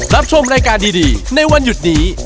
รับชมรายการดีในวันหยุดนี้